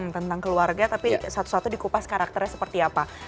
tentang keluarga tapi satu satu dikupas karakternya seperti apa